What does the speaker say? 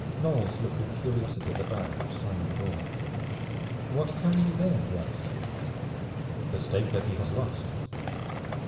Knolles looked with curiosity at the bag which Simon bore. "What carry you there?" he asked. "The stake that he has lost."